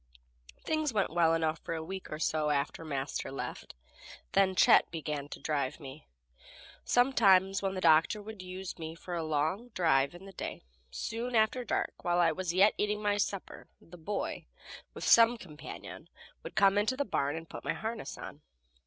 Things went well enough for a week or so after Master left, then Chet began to drive me. Sometimes when the doctor would use me for a long drive in the day, soon after dark, while I was yet eating my supper, the boy, with some companion, would come into the barn and put my harness on.